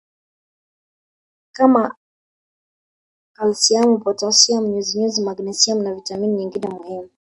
kama kalsiamu potasiamu nyuzinyuzi magnesiamu na vitamini nyingine muhimu